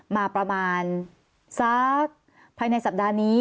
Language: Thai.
มาประมาณสักภายในสัปดาห์นี้